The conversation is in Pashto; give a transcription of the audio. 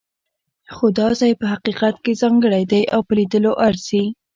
خو دا ځای په حقیقت کې ځانګړی دی او په لیدلو ارزي.